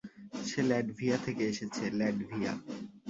সে Latvia থেকে এসেছে, Latvia.